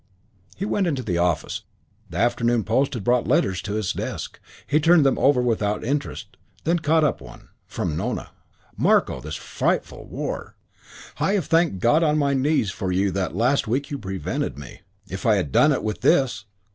He went into the office. The afternoon post had brought letters to his desk. He turned them over without interest, then caught up one, from Nona. Marko, this frightful war! I have thanked God on my knees for you that last week you prevented me. If I had done it with this!